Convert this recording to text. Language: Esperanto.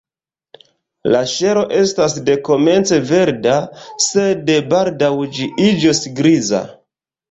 La ŝelo estas dekomence verda, sed baldaŭ ĝi iĝos griza.